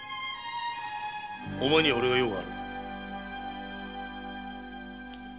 お前にはおれが用がある。